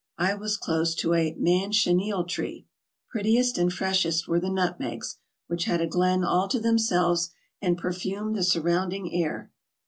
I was close to a manchineel tree. Prettiest and freshest were the nutmegs, which had a glen all to themselves and perfumed the surrounding air.